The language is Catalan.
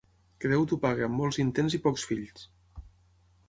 Que Déu t'ho pagui amb molts intents i pocs fills.